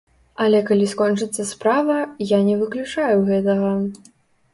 Але калі скончыцца справа, я не выключаю гэтага.